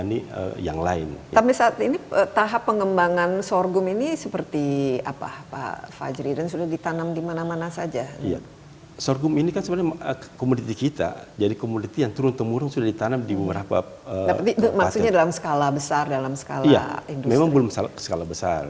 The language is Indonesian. iya memang belum skala besar